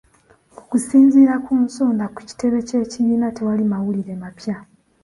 Okusinziira ku nsonda ku kitebe ky'ekibiina, tewali mawulire mapya.